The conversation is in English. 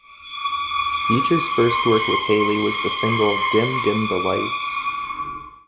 Beecher's first work with Haley was the single "Dim, Dim the Lights".